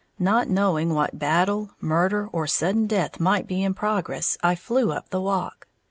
Not knowing what battle, murder or sudden death might be in progress, I flew up the walk.